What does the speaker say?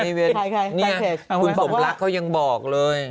นี่คุณสมรักเขายังบอกเลย